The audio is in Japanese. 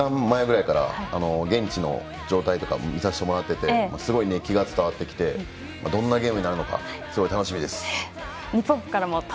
１時間ぐらい前から現地の状態とかを見させてもらっていてすごい熱気が伝わってきてどんなゲームになるのかすごい楽しみです。